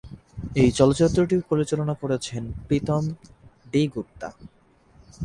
এই চলচ্চিত্রটি পরিচালনা করেছেন প্রীতম ডি গুপ্তা।